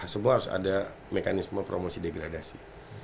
semua harus ada mekanisme promosi degradasi